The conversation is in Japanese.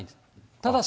ただし。